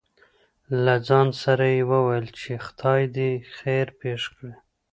له ځان سره يې وويل :چې خداى دې خېر پېښ کړي.